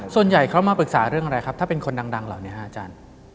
ส่วนใหญ่เขามาปรึกษาเรื่องอะไรครับถ้าเป็นคนดังเหล่านี้ฮะอาจารย์